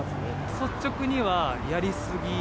率直にはやり過ぎ。